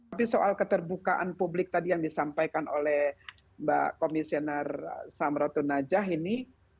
tapi soal keterbukaan publik tadi yang disampaikan oleh mbak komisioner samratun najah ini